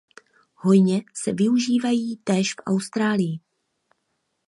Hojně se využívají též v Austrálii.